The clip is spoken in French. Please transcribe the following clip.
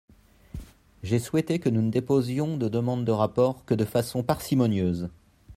J’ai souhaité que nous ne déposions de demandes de rapport que de façon parcimonieuse.